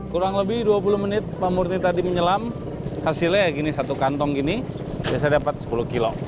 kurang lebih dua puluh menit pak murni tadi menyelam hasilnya gini satu kantong gini biasa dapat sepuluh kilo